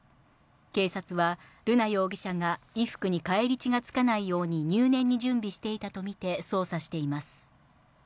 警察は瑠奈容疑者が衣服に返り血がつかないように入念に準備していたとみて、捜査しています。